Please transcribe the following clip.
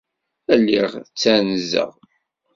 Lliɣ ttanzeɣ.